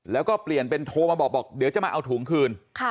แล้วก็เปลี่ยนเป็นโทรมาบอกบอกเดี๋ยวจะมาเอาถุงคืน